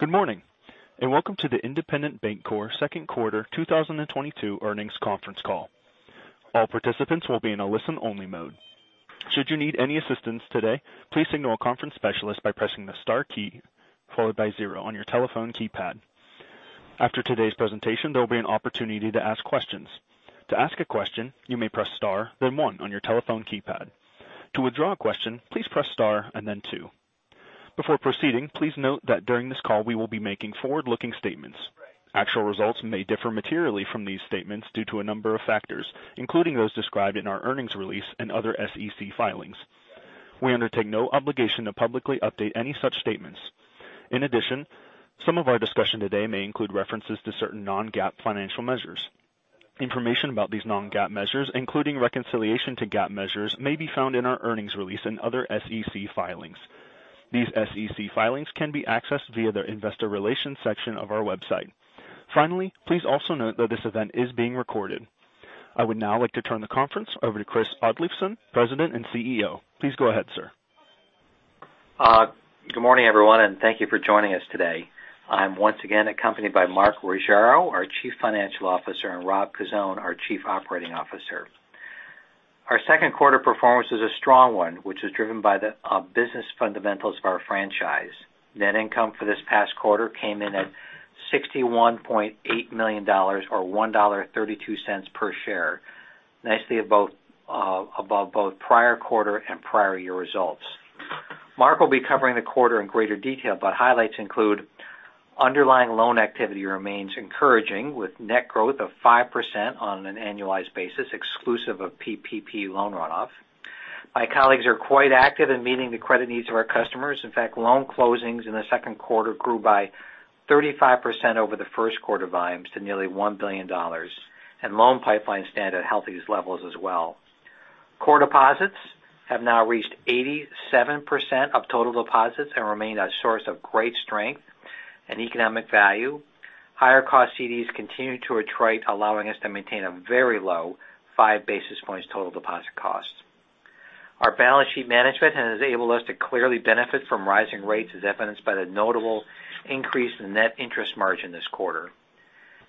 Good morning, and welcome to the Independent Bank Corp. second quarter 2022 earnings conference call. All participants will be in a listen only mode. Should you need any assistance today, please signal a conference specialist by pressing the star key followed by zero on your telephone keypad. After today's presentation, there will be an opportunity to ask questions. To ask a question, you may press star then one on your telephone keypad. To withdraw a question, please press star and then two. Before proceeding, please note that during this call we will be making forward-looking statements. Actual results may differ materially from these statements due to a number of factors, including those described in our earnings release and other SEC filings. We undertake no obligation to publicly update any such statements. In addition, some of our discussion today may include references to certain non-GAAP financial measures. Information about these non-GAAP measures, including reconciliation to GAAP measures, may be found in our earnings release and other SEC filings. These SEC filings can be accessed via the investor relations section of our website. Finally, please also note that this event is being recorded. I would now like to turn the conference over to Chris Oddleifson, President and CEO. Please go ahead, sir. Good morning, everyone, and thank you for joining us today. I'm once again accompanied by Mark Ruggiero, our Chief Financial Officer, and Rob Cozzone, our Chief Operating Officer. Our second quarter performance is a strong one, which is driven by the business fundamentals of our franchise. Net income for this past quarter came in at $61.8 million or $1.32 per share. Nicely about above both prior quarter and prior year results. Mark will be covering the quarter in greater detail, but highlights include underlying loan activity remains encouraging with net growth of 5% on an annualized basis, exclusive of PPP loan runoff. My colleagues are quite active in meeting the credit needs of our customers. In fact, loan closings in the second quarter grew by 35% over the first quarter volumes to nearly $1 billion. Loan pipelines stand at healthy levels as well. Core deposits have now reached 87% of total deposits and remain a source of great strength and economic value. Higher cost CDs continue to retire, allowing us to maintain a very low 5 basis points total deposit cost. Our balance sheet management has enabled us to clearly benefit from rising rates, as evidenced by the notable increase in net interest margin this quarter.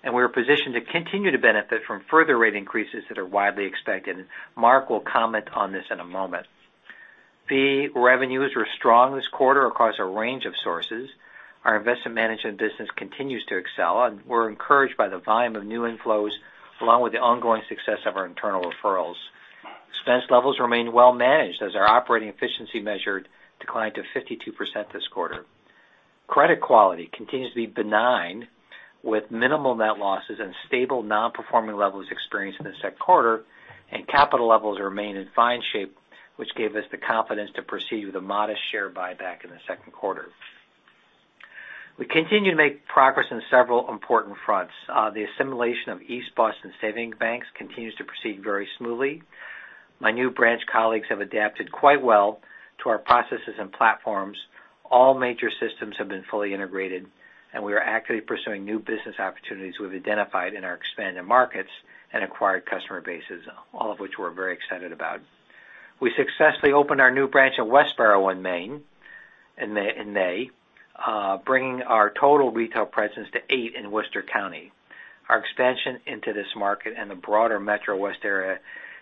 We are positioned to continue to benefit from further rate increases that are widely expected, and Mark will comment on this in a moment. Fee revenues were strong this quarter across a range of sources. Our Investment Management business continues to excel, and we're encouraged by the volume of new inflows along with the ongoing success of our internal referrals. Expense levels remain well managed as our operating efficiency ratio declined to 52% this quarter. Credit quality continues to be benign, with minimal net losses and stable non-performing levels experienced in the second quarter, and capital levels remain in fine shape, which gave us the confidence to proceed with a modest share buyback in the second quarter. We continue to make progress in several important fronts. The assimilation of East Boston Savings Bank continues to proceed very smoothly. My new branch colleagues have adapted quite well to our processes and platforms. All major systems have been fully integrated, and we are actively pursuing new business opportunities we've identified in our expanded markets and acquired customer bases, all of which we're very excited about. We successfully opened our new branch at Westborough in May, bringing our total retail presence to eight in Worcester County. Our expansion into this market and the broader MetroWest area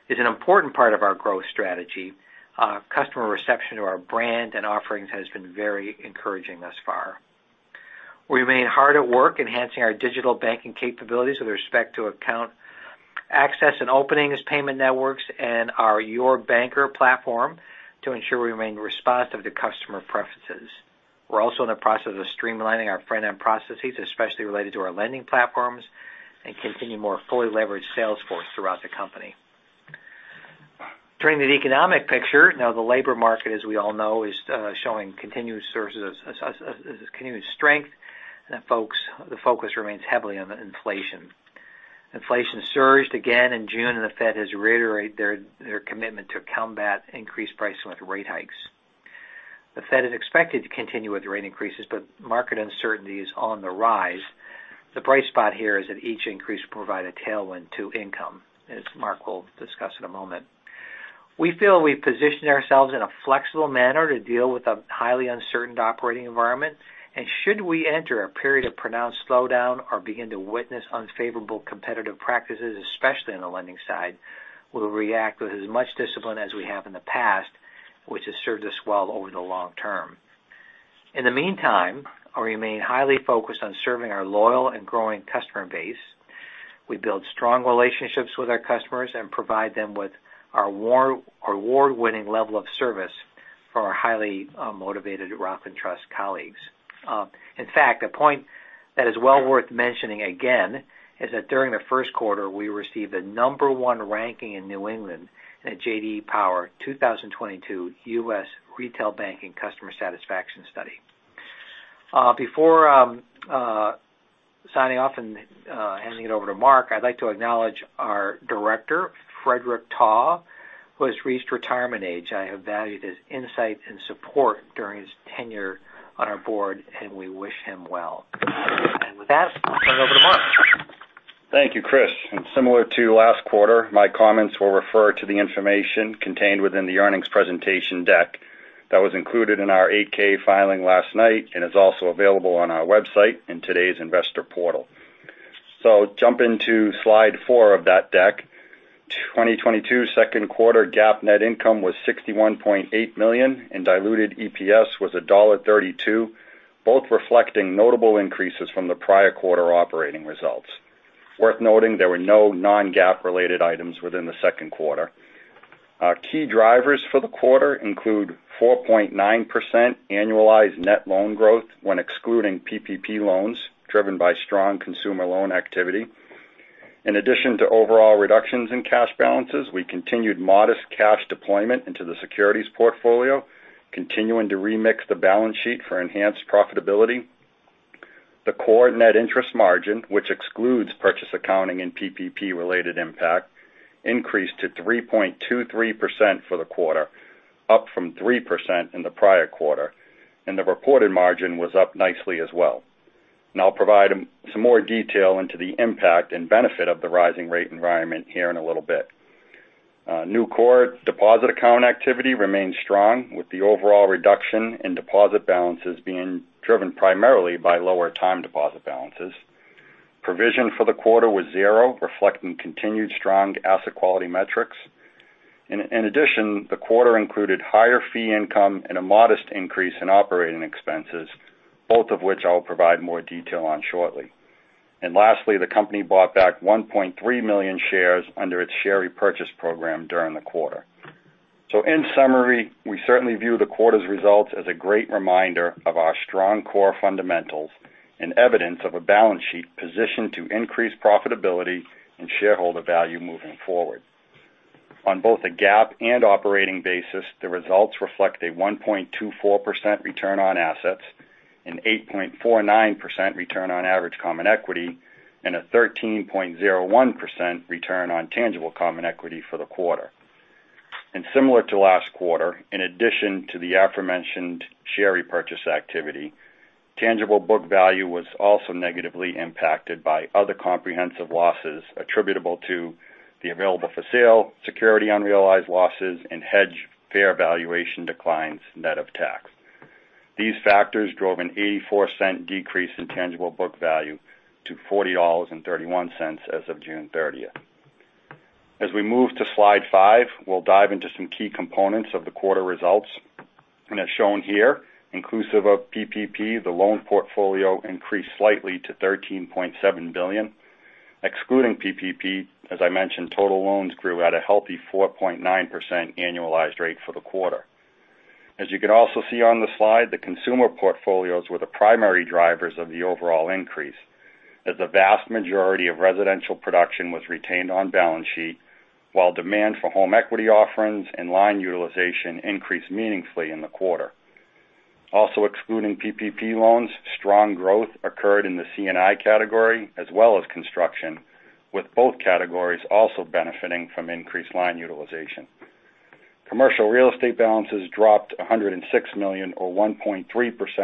is an important part of our growth strategy. Customer reception to our brand and offerings has been very encouraging thus far. We remain hard at work enhancing our digital banking capabilities with respect to account access and openings, payment networks, and our Your Banker platform to ensure we remain responsive to customer preferences. We're also in the process of streamlining our front-end processes, especially related to our lending platforms, and continue more fully leveraged Salesforce throughout the company. Turning to the economic picture. Now, the labor market, as we all know, is showing continuous sources of continued strength, and then folks, the focus remains heavily on the inflation. Inflation surged again in June, and the Fed has reiterated their commitment to combat increased prices with rate hikes. The Fed is expected to continue with rate increases, but market uncertainty is on the rise. The bright spot here is that each increase will provide a tailwind to income, as Mark will discuss in a moment. We feel we've positioned ourselves in a flexible manner to deal with a highly uncertain operating environment. Should we enter a period of pronounced slowdown or begin to witness unfavorable competitive practices, especially on the lending side, we'll react with as much discipline as we have in the past, which has served us well over the long term. In the meantime, we remain highly focused on serving our loyal and growing customer base. We build strong relationships with our customers and provide them with our award-winning level of service for our highly motivated Rockland Trust colleagues. In fact, a point that is well worth mentioning again is that during the first quarter, we received the number one ranking in New England in the J.D. Power 2022 U.S. Retail Banking Satisfaction Study. Before signing off and handing it over to Mark, I'd like to acknowledge our director, Frederic Taw, who has reached retirement age. I have valued his insight and support during his tenure on our board, and we wish him well. With that over to Mark. Thank you, Chris. Similar to last quarter my comments will refer to the information contained within the earnings presentation deck that was included in our 8-K filing last night and is also available on our website in today's investor portal. Jump into slide four of that deck. 2022 second quarter GAAP net income was $61.8 million and diluted EPS was $1.32, both reflecting notable increases from the prior quarter operating results. Worth noting, there were no non-GAAP related items within the second quarter. Our key drivers for the quarter include 4.9% annualized net loan growth when excluding PPP loans driven by strong consumer loan activity. In addition to overall reductions in cash balances, we continued modest cash deployment into the securities portfolio, continuing to remix the balance sheet for enhanced profitability. The core net interest margin, which excludes purchase accounting and PPP related impact, increased to 3.23% for the quarter, up from 3% in the prior quarter. The reported margin was up nicely as well. I'll provide some more detail into the impact and benefit of the rising rate environment here in a little bit. New core deposit account activity remains strong with the overall reduction in deposit balances being driven primarily by lower time deposit balances. Provision for the quarter was zero, reflecting continued strong asset quality metrics. In addition, the quarter included higher fee income and a modest increase in operating expenses, both of which I'll provide more detail on shortly. Lastly, the company bought back 1.3 million shares under its share repurchase program during the quarter. In summary, we certainly view the quarter's results as a great reminder of our strong core fundamentals and evidence of a balance sheet positioned to increase profitability and shareholder value moving forward. On both a GAAP and operating basis, the results reflect a 1.24% return on assets, an 8.49% return on average common equity, and a 13.01% return on tangible common equity for the quarter. Similar to last quarter, in addition to the aforementioned share repurchase activity, tangible book value was also negatively impacted by other comprehensive losses attributable to the available-for-sale security unrealized losses, and hedged fair valuation declines net of tax. These factors drove a $0.84 decrease in tangible book value to $40.31 as of June 30th. As we move to slide five, we'll dive into some key components of the quarter results. As shown here, inclusive of PPP, the loan portfolio increased slightly to $13.7 billion. Excluding PPP, as I mentioned, total loans grew at a healthy 4.9% annualized rate for the quarter. As you can also see on the slide, the consumer portfolios were the primary drivers of the overall increase as the vast majority of residential production was retained on balance sheet while demand for home equity offerings and line utilization increased meaningfully in the quarter. Also excluding PPP loans, strong growth occurred in the C&I category as well as construction, with both categories also benefiting from increased line utilization. Commercial real estate balances dropped $106 million or 1.3%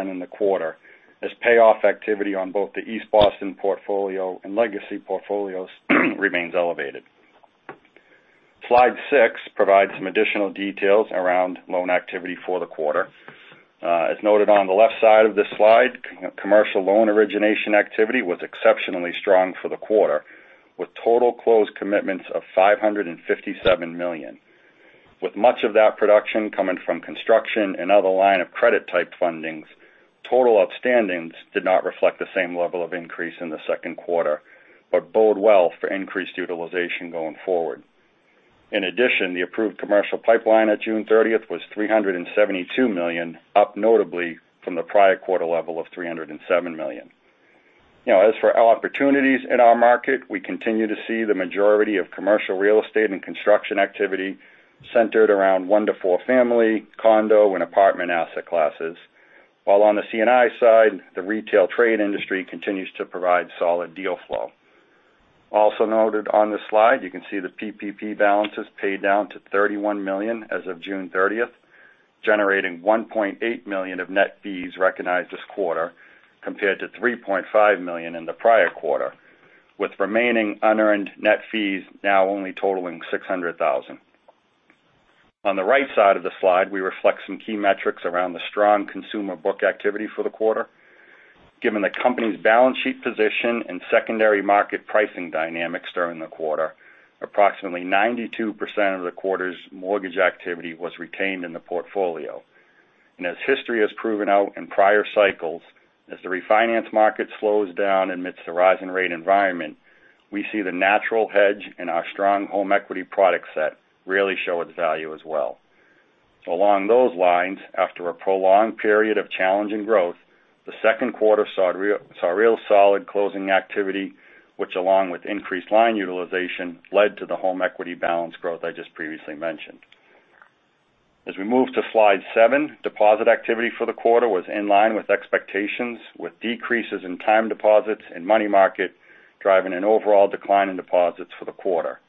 in the quarter as payoff activity on both the East Boston portfolio and legacy portfolios remains elevated. Slide six provides some additional details around loan activity for the quarter. As noted on the left side of this slide, commercial loan origination activity was exceptionally strong for the quarter, with total closed commitments of $557 million. With much of that production coming from construction and other line of credit type fundings, total outstandings did not reflect the same level of increase in the second quarter, but bode well for increased utilization going forward. In addition, the approved commercial pipeline at June 30th was $372 million, up notably from the prior quarter level of $307 million. Now as for our opportunities in our market, we continue to see the majority of commercial real estate and construction activity centered around one to four family, condo and apartment asset classes. While on the C&I side, the retail trade industry continues to provide solid deal flow. Also noted on the slide, you can see the PPP balances paid down to $31 million as of June 30th, generating $1.8 million of net fees recognized this quarter compared to $3.5 million in the prior quarter, with remaining unearned net fees now only totaling $600,000. On the right side of the slide, we reflect some key metrics around the strong consumer book activity for the quarter. Given the company's balance sheet position and secondary market pricing dynamics during the quarter, approximately 92% of the quarter's mortgage activity was retained in the portfolio. As history has proven out in prior cycles, as the refinance market slows down amidst the rise in rate environment, we see the natural hedge in our strong home equity product set really show its value as well. Along those lines, after a prolonged period of challenging growth, the second quarter saw real solid closing activity which along with increased line utilization led to the home equity balance growth I just previously mentioned. As we move to slide seven, deposit activity for the quarter was in line with expectations with decreases in time deposits and money market driving an overall decline in deposits for the quarter.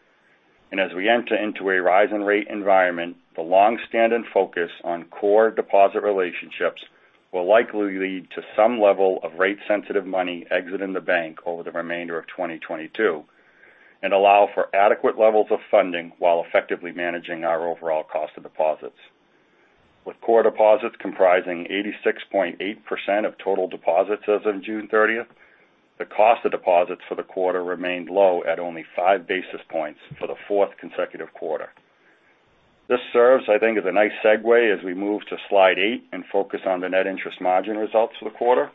As we enter into a rising rate environment, the long-standing focus on core deposit relationships will likely lead to some level of rate-sensitive money exiting the bank over the remainder of 2022 and allow for adequate levels of funding while effectively managing our overall cost of deposits. With core deposits comprising 86.8% of total deposits as of June 30th, the cost of deposits for the quarter remained low at only 5 basis points for the fourth consecutive quarter. This serves, I think, as a nice segue as we move to slide eight and focus on the net interest margin results for the quarter.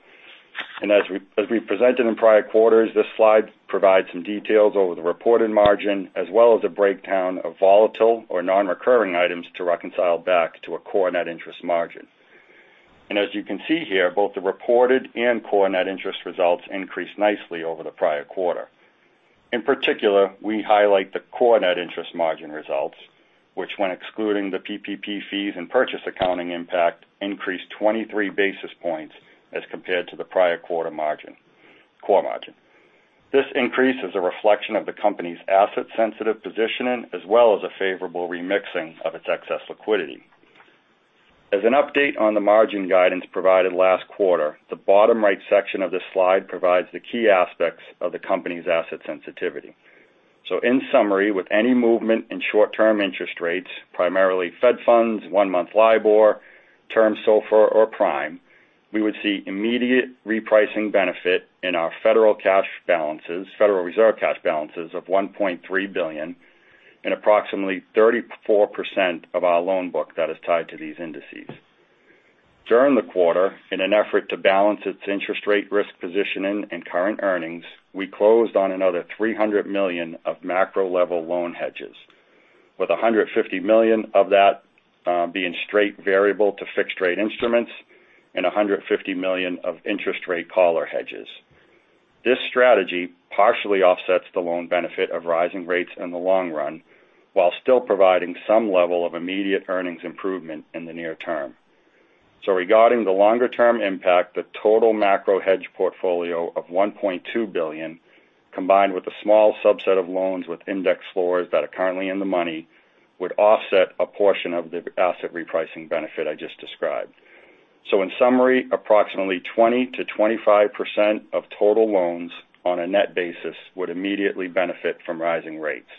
As we presented in prior quarters, this slide provides some details over the reported margin, as well as a breakdown of volatile or non-recurring items to reconcile back to a core net interest margin. As you can see here, both the reported and core net interest results increased nicely over the prior quarter. In particular, we highlight the core net interest margin results, which when excluding the PPP fees and purchase accounting impact, increased 23 basis points as compared to the prior quarter margin, core margin. This increase is a reflection of the company's asset-sensitive positioning as well as a favorable remixing of its excess liquidity. As an update on the margin guidance provided last quarter, the bottom right section of this slide provides the key aspects of the company's asset sensitivity. In summary, with any movement in short-term interest rates, primarily Fed funds, one-month LIBOR, term SOFR or Prime, we would see immediate repricing benefit in our Federal Reserve cash balances of $1.3 billion and approximately 34% of our loan book that is tied to these indices. During the quarter, in an effort to balance its interest rate risk positioning and current earnings, we closed on another $300 million of macro-level loan hedges, with $150 million of that being straight variable to fixed rate instruments and $150 million of interest rate collar hedges. This strategy partially offsets the loan benefit of rising rates in the long run, while still providing some level of immediate earnings improvement in the near term. Regarding the longer-term impact, the total macro hedge portfolio of $1.2 billion, combined with a small subset of loans with index floors that are currently in the money, would offset a portion of the asset repricing benefit I just described. In summary, approximately 20%-25% of total loans on a net basis would immediately benefit from rising rates.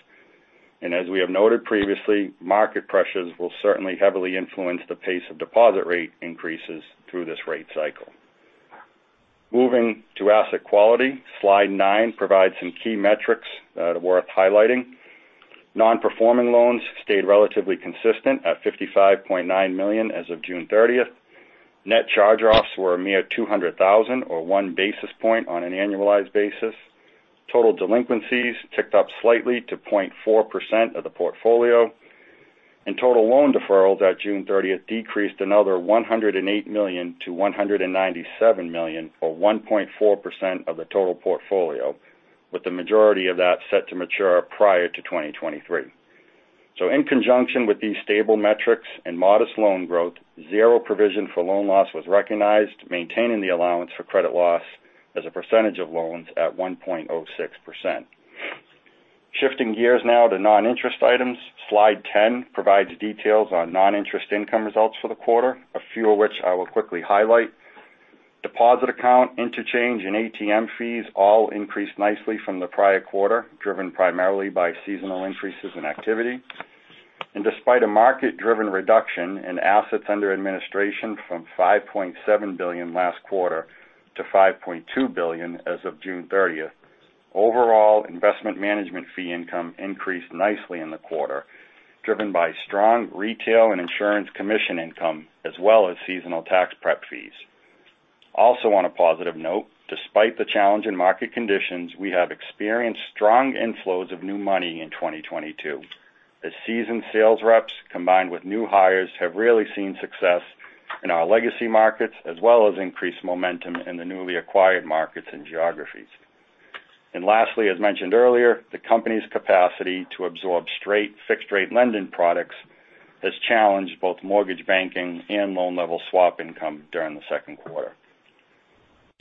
As we have noted previously, market pressures will certainly heavily influence the pace of deposit rate increases through this rate cycle. Moving to asset quality, slide nine provides some key metrics worth highlighting. Non-performing loans stayed relatively consistent at $55.9 million as of June 30th. Net charge-offs were a mere $200,000 or 1 basis point on an annualized basis. Total delinquencies ticked up slightly to 0.4% of the portfolio. Total loan deferrals at June 30th decreased another $108 million to $197 million, or 1.4% of the total portfolio, with the majority of that set to mature prior to 2023. In conjunction with these stable metrics and modest loan growth, zero provision for loan loss was recognized, maintaining the allowance for credit loss as a percentage of loans at 1.06%. Shifting gears now to non-interest items. Slide 10 provides details on non-interest income results for the quarter, a few of which I will quickly highlight. Deposit account interchange and ATM fees all increased nicely from the prior quarter, driven primarily by seasonal increases in activity. Despite a market-driven reduction in assets under administration from $5.7 billion last quarter to $5.2 billion as of June 30th, overall Investment Management fee income increased nicely in the quarter, driven by strong retail and insurance commission income as well as seasonal tax prep fees. Also on a positive note, despite the challenging market conditions, we have experienced strong inflows of new money in 2022 as seasoned sales reps, combined with new hires, have really seen success in our legacy markets, as well as increased momentum in the newly acquired markets and geographies. Lastly, as mentioned earlier, the company's capacity to absorb straight fixed rate lending products has challenged both mortgage banking and loan level swap income during the second quarter.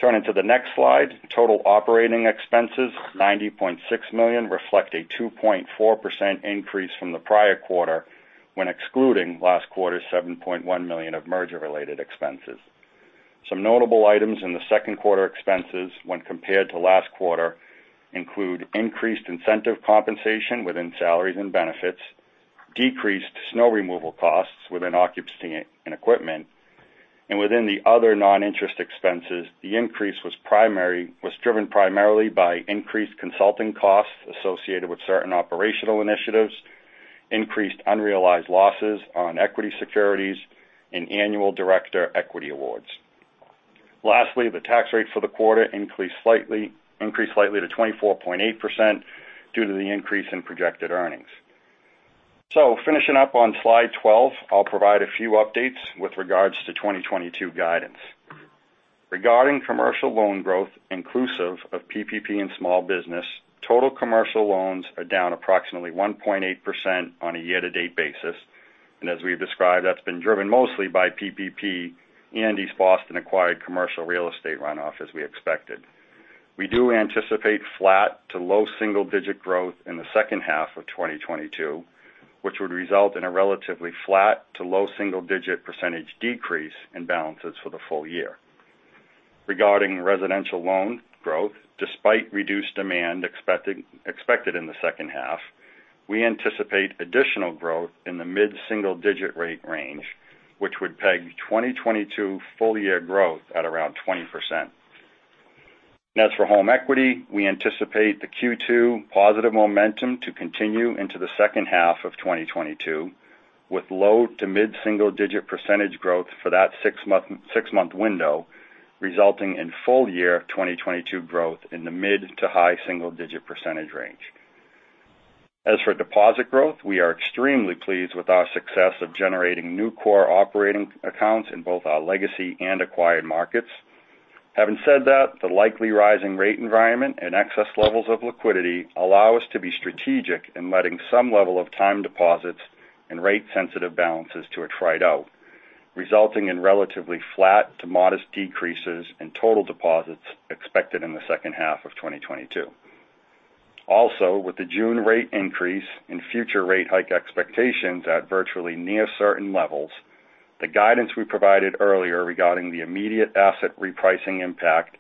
Turning to the next slide. Total operating expenses, $90.6 million, reflect a 2.4% increase from the prior quarter when excluding last quarter's $7.1 million of merger-related expenses. Some notable items in the second quarter expenses when compared to last quarter include increased incentive compensation within salaries and benefits, decreased snow removal costs within occupancy and equipment, and within the other non-interest expenses, the increase was driven primarily by increased consulting costs associated with certain operational initiatives, increased unrealized losses on equity securities and annual director equity awards. Lastly, the tax rate for the quarter increased slightly to 24.8% due to the increase in projected earnings. Finishing up on slide 12, I'll provide a few updates with regards to 2022 guidance. Regarding commercial loan growth inclusive of PPP and small business, total commercial loans are down approximately 1.8% on a year-to-date basis. As we've described, that's been driven mostly by PPP and East Boston acquired commercial real estate runoff as we expected. We do anticipate flat to low single-digit growth in the second half of 2022, which would result in a relatively flat to low single-digit percentage decrease in balances for the full year. Regarding residential loan growth, despite reduced demand expected in the second half, we anticipate additional growth in the mid single-digit rate range, which would peg 2022 full year growth at around 20%. As for home equity, we anticipate the Q2 positive momentum to continue into the second half of 2022, with low- to mid-single-digit percentage growth for that six-month window, resulting in full-year 2022 growth in the mid- to high-single-digit percentage range. As for deposit growth, we are extremely pleased with our success of generating new core operating accounts in both our legacy and acquired markets. Having said that, the likely rising rate environment and excess levels of liquidity allow us to be strategic in letting some level of time deposits and rate-sensitive balances to attrite out, resulting in relatively flat to modest decreases in total deposits expected in the second half of 2022. Also, with the June rate increase and future rate hike expectations at virtually near certain levels, the guidance we provided earlier regarding the immediate asset repricing impact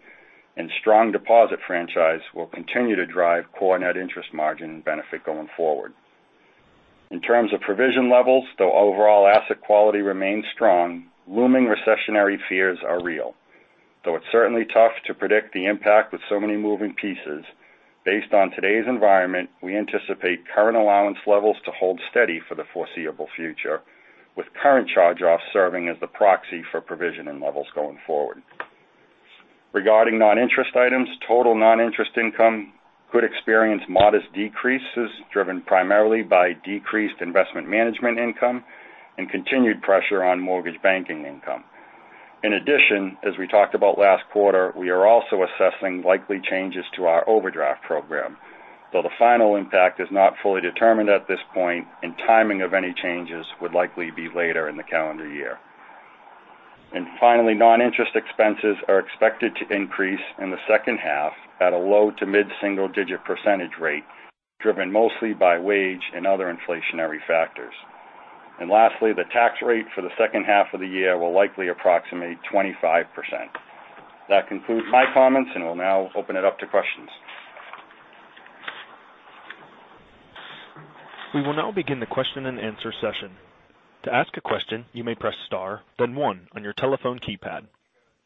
and strong deposit franchise will continue to drive core net interest margin benefit going forward. In terms of provision levels, though overall asset quality remains strong, looming recessionary fears are real. Though it's certainly tough to predict the impact with so many moving pieces, based on today's environment, we anticipate current allowance levels to hold steady for the foreseeable future, with current charge-offs serving as the proxy for provisioning levels going forward. Regarding non-interest items, total non-interest income could experience modest decreases driven primarily by decreased Investment Management income and continued pressure on mortgage banking income. In addition, as we talked about last quarter, we are also assessing likely changes to our overdraft program, though the final impact is not fully determined at this point, and timing of any changes would likely be later in the calendar year. Finally, non-interest expenses are expected to increase in the second half at a low- to mid-single-digit percentage rate, driven mostly by wage and other inflationary factors. Lastly, the tax rate for the second half of the year will likely approximate 25%. That concludes my comments, and we'll now open it up to questions. We will now begin the question and answer session. To ask a question, you may press star, then one on your telephone keypad.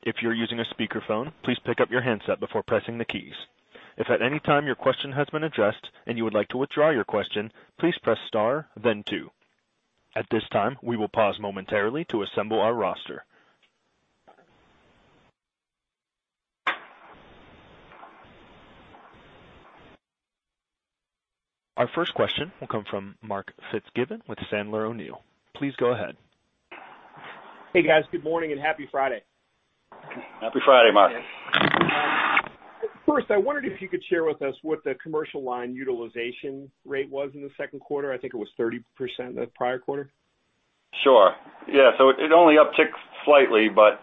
If you're using a speakerphone, please pick up your handset before pressing the keys. If at any time your question has been addressed and you would like to withdraw your question, please press star, then two. At this time, we will pause momentarily to assemble our roster. Our first question will come from Mark Fitzgibbon with Piper Sandler. Please go ahead. Hey, guys. Good morning and happy Friday. Happy Friday, Mark. First, I wondered if you could share with us what the commercial line utilization rate was in the second quarter. I think it was 30% the prior quarter. Sure. Yeah. It only upticked slightly, but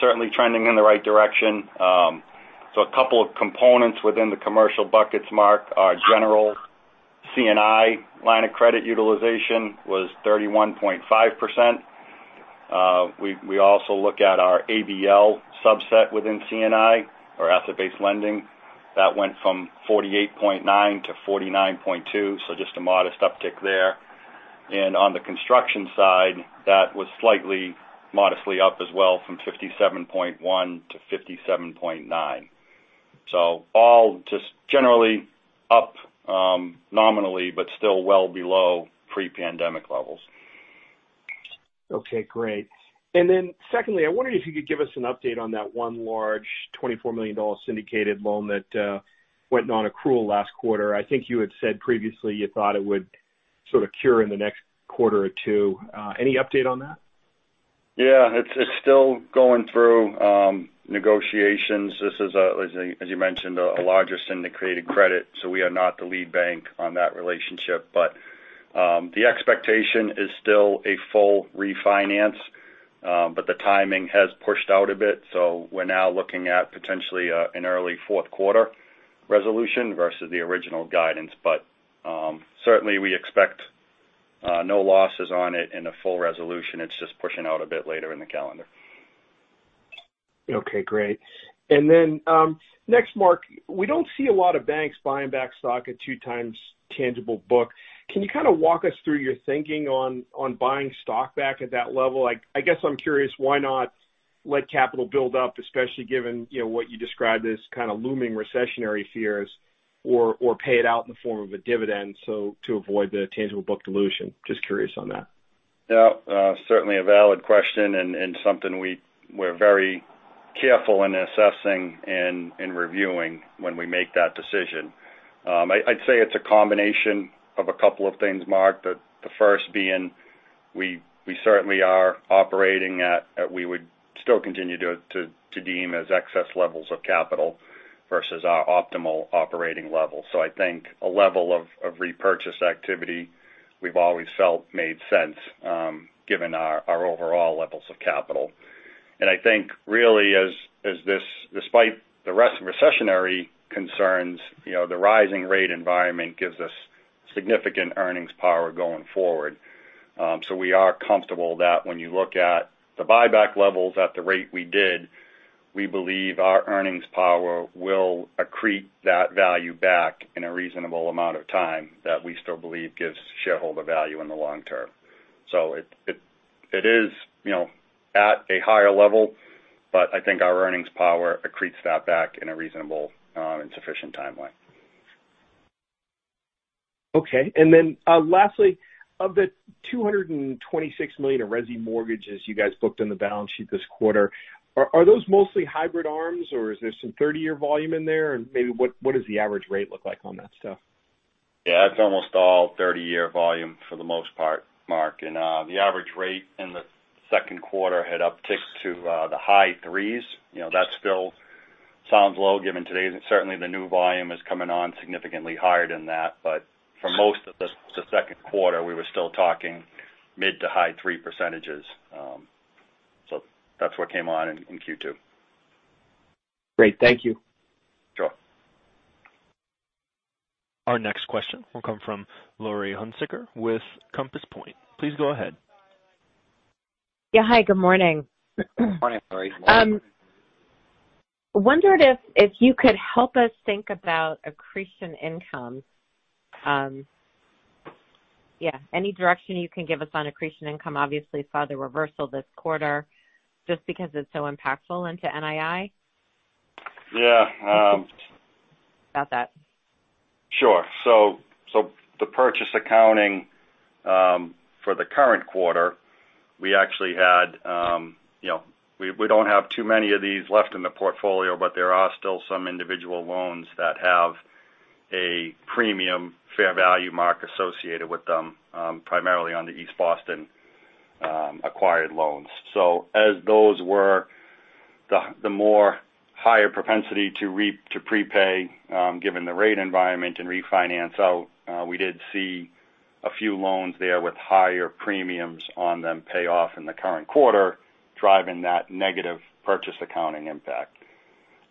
certainly trending in the right direction. A couple of components within the commercial buckets, Mark, are general C&I line of credit utilization was 31.5%. We also look at our ABL subset within C&I or asset-based lending. That went from 48.9% to 49.2%, so just a modest uptick there. On the construction side, that was slightly modestly up as well from 57.1% to 57.9%. All just generally up, nominally but still well below pre-pandemic levels. Okay, great. Secondly, I wondered if you could give us an update on that one large $24 million syndicated loan that went non-accrual last quarter. I think you had said previously you thought it would sort of cure in the next quarter or two. Any update on that? Yeah. It's still going through negotiations. This is, as you mentioned, a larger syndicated credit, so we are not the lead bank on that relationship. The expectation is still a full refinance, but the timing has pushed out a bit. We're now looking at potentially an early fourth quarter resolution versus the original guidance. Certainly we expect no losses on it in a full resolution. It's just pushing out a bit later in the calendar. Okay, great. Next, Mark, we don't see a lot of banks buying back stock at 2x tangible book. Can you kind of walk us through your thinking on buying stock back at that level? Like, I guess I'm curious, why not let capital build up, especially given, you know, what you describe as kind of looming recessionary fears or pay it out in the form of a dividend so to avoid the tangible book dilution? Just curious on that. Yeah. Certainly a valid question and something we're very careful in assessing and reviewing when we make that decision. I'd say it's a combination of a couple of things, Mark. The first being, we certainly are operating at we would still continue to deem as excess levels of capital versus our optimal operating level. So I think a level of repurchase activity. We've always felt made sense, given our overall levels of capital. I think really as this despite the recessionary concerns, you know, the rising rate environment gives us significant earnings power going forward. We are comfortable that when you look at the buyback levels at the rate we did, we believe our earnings power will accrete that value back in a reasonable amount of time that we still believe gives shareholder value in the long term. It is, you know, at a higher level, but I think our earnings power accretes that back in a reasonable and sufficient timeline. Okay. Lastly, of the $226 million of resi mortgages you guys booked on the balance sheet this quarter, are those mostly hybrid ARMs, or is there some 30-year volume in there? What does the average rate look like on that stuff? Yeah, it's almost all 30-year volume for the most part, Mark. The average rate in the second quarter had upticked to the high threes. You know, that still sounds low given today, and certainly the new volume is coming on significantly higher than that. But for most of the second quarter, we were still talking mid- to high-three percentages. That's what came on in Q2. Great. Thank you. Sure. Our next question will come from Laurie Hunsicker with Compass Point. Please go ahead. Yeah. Hi, good morning. Morning, Laurie. Wondered if you could help us think about accretion income. Any direction you can give us on accretion income, obviously, saw the reversal this quarter just because it's so impactful into NII. Yeah. About that. Sure. The purchase accounting for the current quarter, we actually had, you know. We don't have too many of these left in the portfolio, but there are still some individual loans that have a premium fair value mark associated with them, primarily on the East Boston acquired loans. As those were the more higher propensity to prepay, given the rate environment and refinance out, we did see a few loans there with higher premiums on them pay off in the current quarter, driving that negative purchase accounting impact.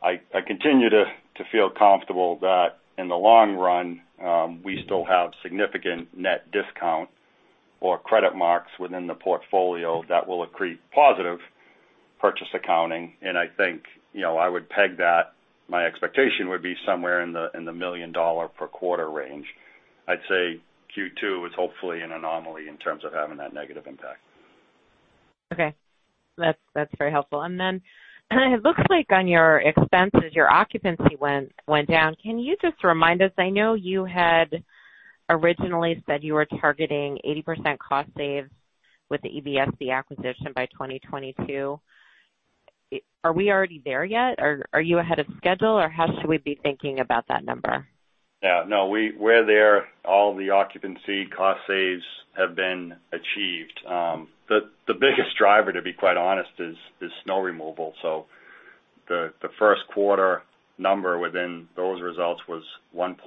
I continue to feel comfortable that in the long run, we still have significant net discount or credit marks within the portfolio that will accrete positive purchase accounting. I think, you know, I would peg that my expectation would be somewhere in the $1 million per quarter range. I'd say Q2 was hopefully an anomaly in terms of having that negative impact. Okay. That's very helpful. It looks like on your expenses, your occupancy went down. Can you just remind us, I know you had originally said you were targeting 80% cost savings with the EBSB acquisition by 2022. Are we already there yet? Are you ahead of schedule, or how should we be thinking about that number? Yeah. No, we're there. All the occupancy cost saves have been achieved. The biggest driver, to be quite honest, is snow removal. The first quarter number within those results was $1.2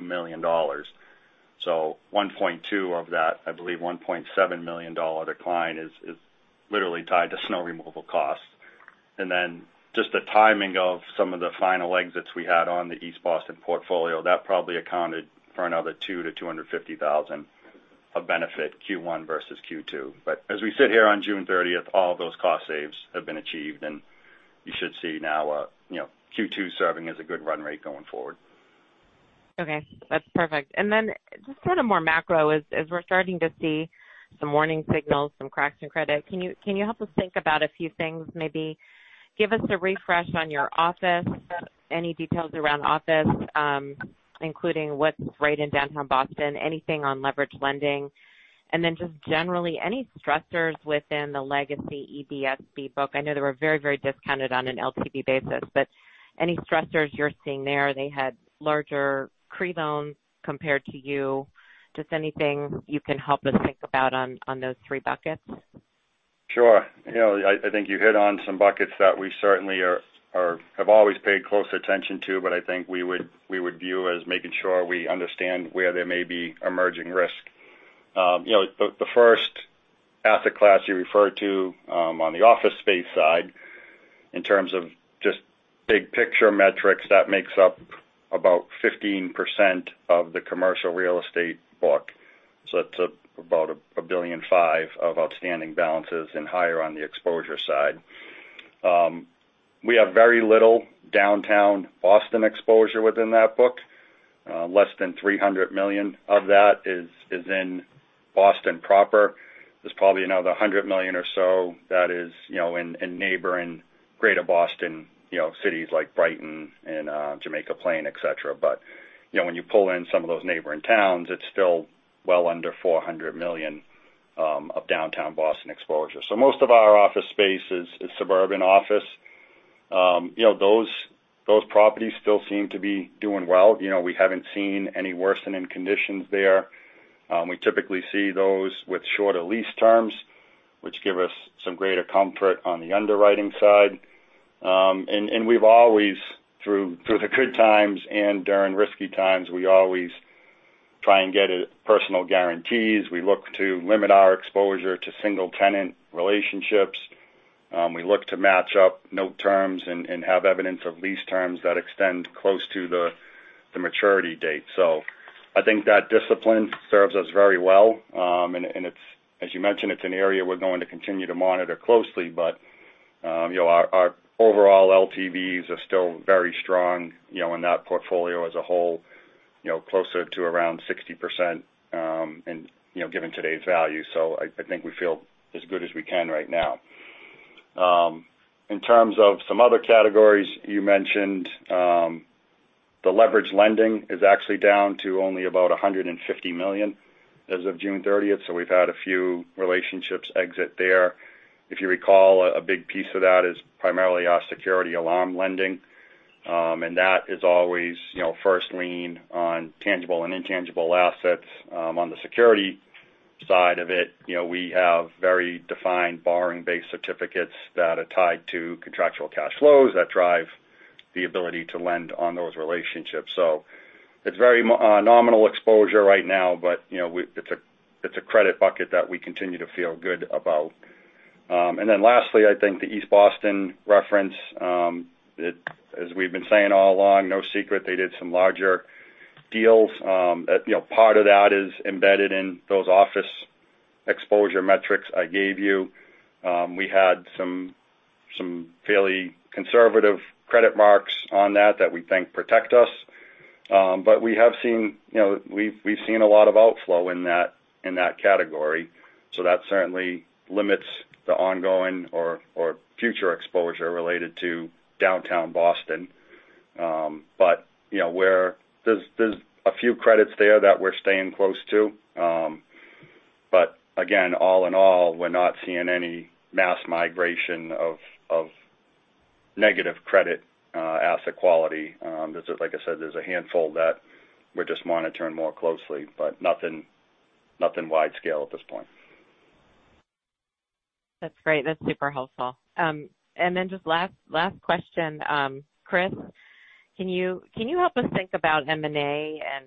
million. $1.2 of that, I believe $1.7 million decline is literally tied to snow removal costs. Just the timing of some of the final exits we had on the East Boston portfolio, that probably accounted for another $200,000-$250,000 of benefit Q1 versus Q2. As we sit here on June 30th, all of those cost saves have been achieved, and you should see now, Q2 serving as a good run rate going forward. Okay, that's perfect. Just kind of more macro as we're starting to see some warning signals, some cracks in credit, can you help us think about a few things, maybe give us a refresh on your office, any details around office, including what's the rate in downtown Boston, anything on leveraged lending? Just generally, any stressors within the legacy EBSB book? I know they were very, very discounted on an LTV basis, but any stressors you're seeing there? They had larger CRE loans compared to you. Just anything you can help us think about on those three buckets. Sure. You know, I think you hit on some buckets that we certainly have always paid close attention to, but I think we would view as making sure we understand where there may be emerging risk. You know, the first asset class you referred to, on the office space side, in terms of just big picture metrics, that makes up about 15% of the commercial real estate book. It's about $1.5 billion of outstanding balances and higher on the exposure side. We have very little downtown Boston exposure within that book. Less than $300 million of that is in Boston proper. There's probably another $100 million or so that is, you know, in neighboring Greater Boston, you know, cities like Brighton and Jamaica Plain, et cetera. You know, when you pull in some of those neighboring towns, it's still well under $400 million of downtown Boston exposure. Most of our office space is suburban office. You know, those properties still seem to be doing well. You know, we haven't seen any worsening conditions there. We typically see those with shorter lease terms, which give us some greater comfort on the underwriting side. We always try and get personal guarantees through the good times and during risky times. We look to limit our exposure to single tenant relationships. We look to match up note terms and have evidence of lease terms that extend close to the maturity date. So I think that discipline serves us very well. it's, as you mentioned, it's an area we're going to continue to monitor closely. you know, our overall LTVs are still very strong, you know, in that portfolio as a whole, you know, closer to around 60%, and, you know, given today's value. I think we feel as good as we can right now. in terms of some other categories you mentioned, the leveraged lending is actually down to only about $150 million as of June 30th. We've had a few relationships exit there. If you recall, a big piece of that is primarily our security alarm lending. and that is always, you know, first lien on tangible and intangible assets. On the security side of it, you know, we have very defined borrowing-based certificates that are tied to contractual cash flows that drive the ability to lend on those relationships. It's very nominal exposure right now, but you know, it's a credit bucket that we continue to feel good about. Then lastly, I think the East Boston reference, it, as we've been saying all along, no secret, they did some larger deals. You know, part of that is embedded in those office exposure metrics I gave you. We had some fairly conservative credit marks on that that we think protect us. But we have seen, you know, we've seen a lot of outflow in that category. That certainly limits the ongoing or future exposure related to downtown Boston. You know, where there's a few credits there that we're staying close to. Again, all in all, we're not seeing any mass migration of negative credit asset quality. There's, like I said, there's a handful that we're just monitoring more closely, but nothing wide-scale at this point. That's great. That's super helpful. Just last question. Chris, can you help us think about M&A and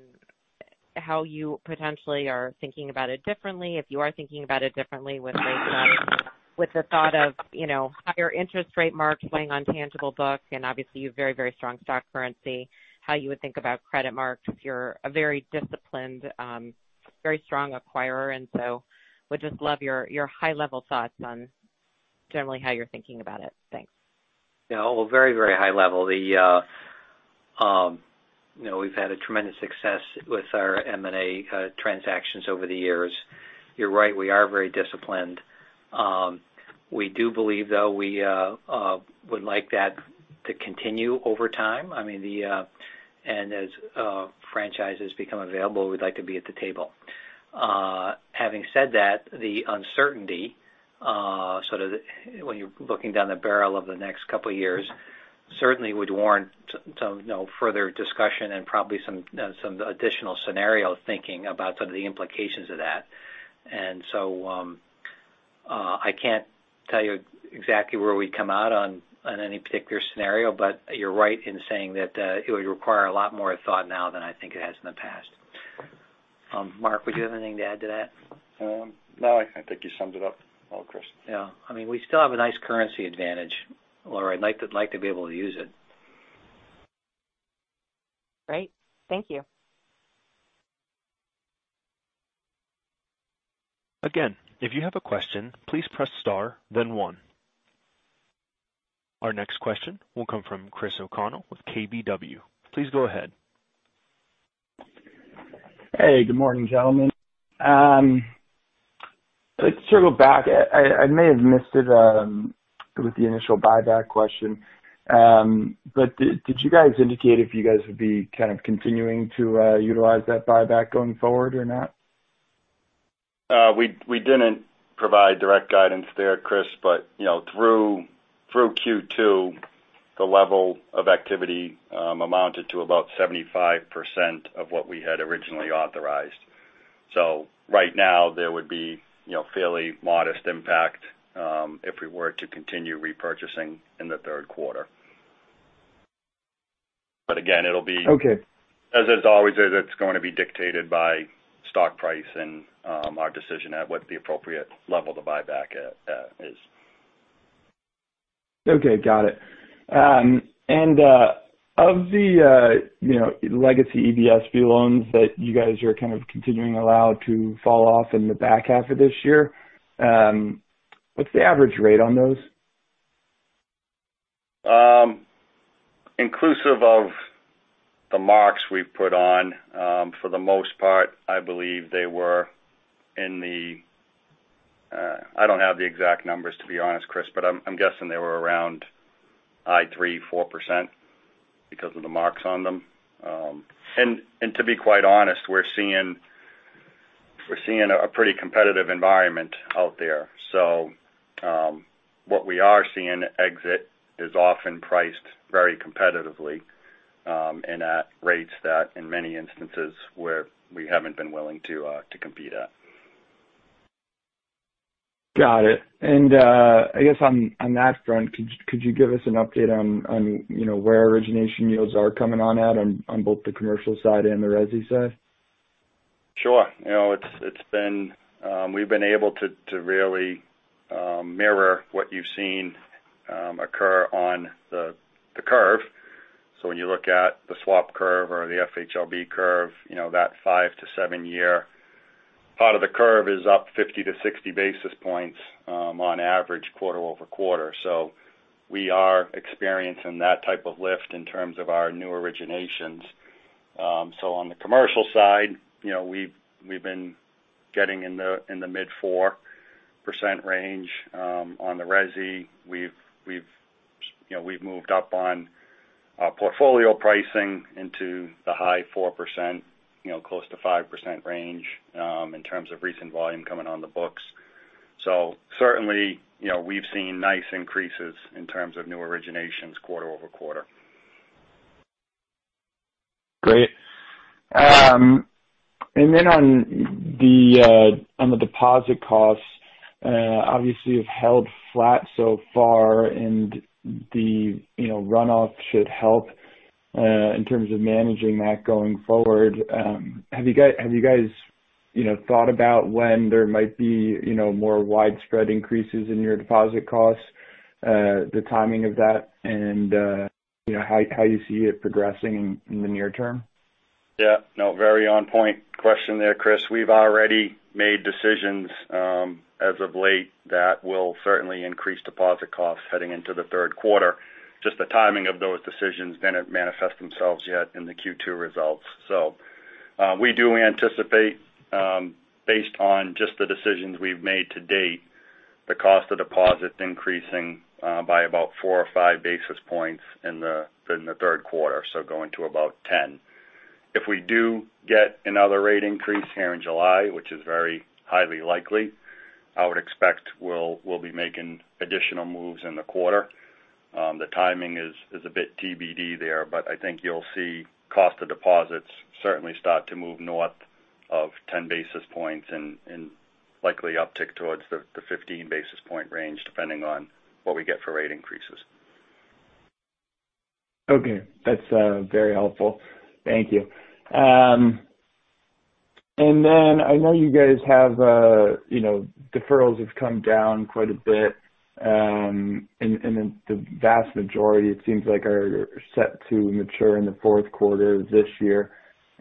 how you potentially are thinking about it differently, if you are thinking about it differently with rates up, with the thought of, you know, higher interest rate marks playing on tangible books, and obviously you have very, very strong stock currency, how you would think about credit marks if you're a very disciplined, very strong acquirer. Would just love your high level thoughts on generally how you're thinking about it. Thanks. Yeah. Well, very, very high level. The, you know, we've had a tremendous success with our M&A transactions over the years. You're right, we are very disciplined. We do believe, though, we would like that to continue over time. I mean, the, and as franchises become available, we'd like to be at the table. Having said that, the uncertainty, sort of when you're looking down the barrel of the next couple of years, certainly would warrant some, you know, further discussion and probably some additional scenario thinking about some of the implications of that. I can't tell you exactly where we come out on any particular scenario, but you're right in saying that, it would require a lot more thought now than I think it has in the past. Mark, would you have anything to add to that? No, I think you summed it up well, Chris. Yeah. I mean, we still have a nice currency advantage. Laurie, I'd like to be able to use it. Great. Thank you. Again, if you have a question, please press star then one. Our next question will come from Chris O'Connell with KBW. Please go ahead. Hey, good morning, gentlemen. Let's circle back. I may have missed it with the initial buyback question. Did you guys indicate if you guys would be kind of continuing to utilize that buyback going forward or not? We didn't provide direct guidance there, Chris. You know, through Q2, the level of activity amounted to about 75% of what we had originally authorized. Right now there would be, you know, fairly modest impact if we were to continue repurchasing in the third quarter. Again, it'll be- Okay. As always, it's going to be dictated by stock price and our decision at what the appropriate level to buy back at is. Okay. Got it. Of the, you know, legacy EBSB loans that you guys are kind of continuing allowed to fall off in the back half of this year, what's the average rate on those? Inclusive of the marks we've put on, for the most part, I believe they were in the, I don't have the exact numbers to be honest, Chris, but I'm guessing they were around high 3%-4% because of the marks on them. To be quite honest, we're seeing a pretty competitive environment out there. What we are seeing exit is often priced very competitively, and at rates that in many instances where we haven't been willing to compete at. Got it. I guess on that front, could you give us an update on you know, where origination yields are coming in at, on both the commercial side and the resi side? Sure. You know, it's been. We've been able to really mirror what you've seen occur on the curve. When you look at the swap curve or the FHLB curve, you know, that five to seven-year part of the curve is up 50 basis points-60 basis points on average quarter-over-quarter. We are experiencing that type of lift in terms of our new originations. On the commercial side, you know, we've been getting in the mid-4% range. On the resi we've moved up on portfolio pricing into the high 4%, you know, close to 5% range in terms of recent volume coming on the books. Certainly, you know, we've seen nice increases in terms of new originations quarter-over-quarter. Great. Then on the deposit costs, obviously you've held flat so far and the, you know, runoff should help in terms of managing that going forward. Have you guys, you know, thought about when there might be, you know, more widespread increases in your deposit costs, the timing of that and, you know, how you see it progressing in the near term? Yeah. No, very on point question there, Chris. We've already made decisions as of late that will certainly increase deposit costs heading into the third quarter. Just the timing of those decisions didn't manifest themselves yet in the Q2 results. We do anticipate, based on just the decisions we've made to date, the cost of deposits increasing by about 4 basis points or 5 basis points in the third quarter. Going to about 10 basis points. If we do get another rate increase here in July, which is very highly likely, I would expect we'll be making additional moves in the quarter. The timing is a bit TBD there, but I think you'll see cost of deposits certainly start to move north of 10 basis points and likely uptick towards the 15 basis point range depending on what we get for rate increases. Okay. That's very helpful. Thank you. I know you guys have you know deferrals have come down quite a bit, and the vast majority it seems like are set to mature in the fourth quarter of this year.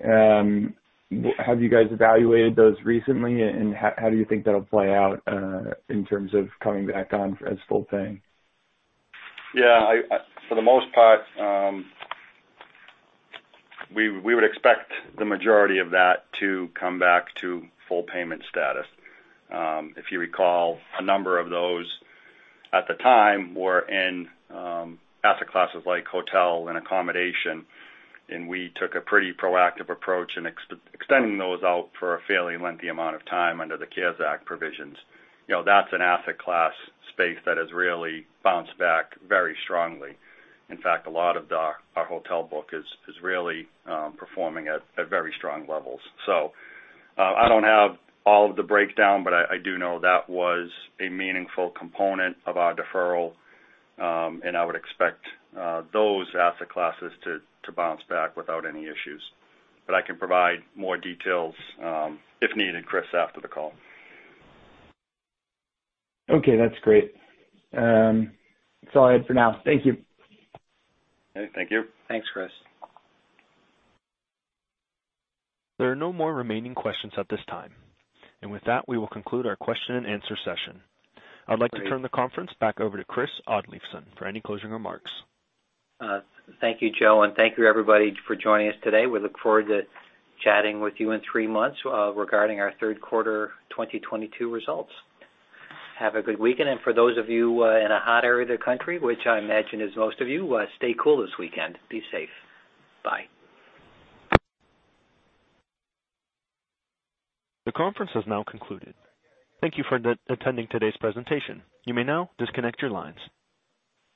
Have you guys evaluated those recently and how do you think that'll play out in terms of coming back on as full paying? Yeah. I for the most part, we would expect the majority of that to come back to full payment status. If you recall, a number of those at the time were in asset classes like hotel and accommodation, and we took a pretty proactive approach in extending those out for a fairly lengthy amount of time under the CARES Act provisions. You know, that's an asset class space that has really bounced back very strongly. In fact, a lot of our hotel book is really performing at very strong levels. I don't have all of the breakdown, but I do know that was a meaningful component of our deferral. I would expect those asset classes to bounce back without any issues. I can provide more details if needed, Chris, after the call. Okay. That's great. That's all I had for now. Thank you. Thank you. Thanks, Chris. There are no more remaining questions at this time. With that, we will conclude our question and answer session. I'd like to turn the conference back over to Chris Oddleifson for any closing remarks. Thank you, Joe. Thank you everybody for joining us today. We look forward to chatting with you in three months, regarding our third quarter 2022 results. Have a good weekend, and for those of you, in a hot area of the country, which I imagine is most of you, stay cool this weekend. Be safe. Bye. The conference has now concluded. Thank you for attending today's presentation. You may now disconnect your lines.